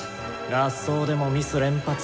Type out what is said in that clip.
合奏でもミス連発。